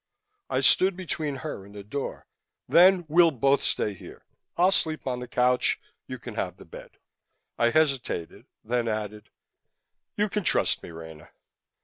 I stood between her and the door. "Then we'll both stay here. I'll sleep on the couch. You can have the bed." I hesitated, then added, "You can trust me, Rena."